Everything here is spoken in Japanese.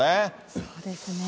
そうですね。